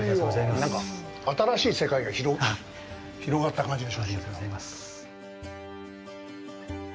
新しい世界が広がった感じがします。